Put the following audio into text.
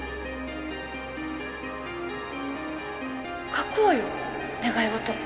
書こうよ願い事。